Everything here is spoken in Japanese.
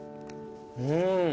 うん。